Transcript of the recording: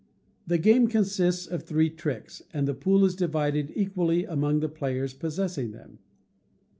The game consists of three tricks, and the pool is divided equally among the players possessing them.